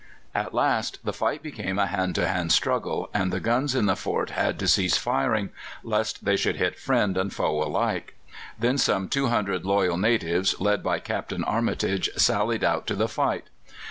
At last the fight became a hand to hand struggle, and the guns in the fort had to cease firing, lest they should hit friend and foe alike. Then some 200 loyal natives, led by Captain Armitage, sallied out to the fight.